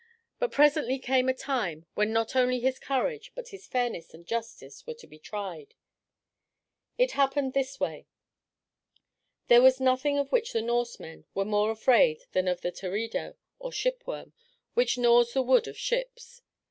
But presently came a time when not only his courage but his fairness and justice were to be tried. It happened in this way. There was nothing of which the Norsemen were more afraid than of the teredo, or shipworm, which gnaws the wood of ships.